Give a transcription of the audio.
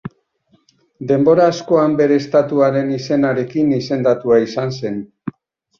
Denbora askoan bere estatuaren izenarekin izendatua izan zen.